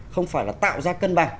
không phải là tạo ra cân bằng